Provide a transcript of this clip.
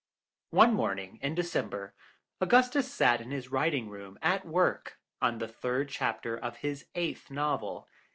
One morning in December Augustus sat in his writing room, at work on the third chapter of his eighth novel.